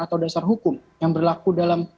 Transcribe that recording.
atau dasar hukum yang berlaku dalam